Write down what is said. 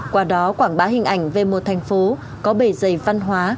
quả đó quảng bá hình ảnh về một thành phố có bể dày văn hóa